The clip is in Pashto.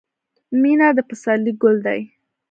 • مینه د پسرلي ګل دی.